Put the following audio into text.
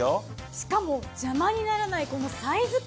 しかも邪魔にならないこのサイズ感。